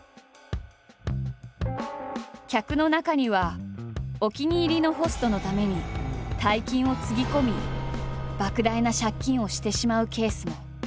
客の中にはお気に入りのホストのために大金をつぎ込みばく大な借金をしてしまうケースも。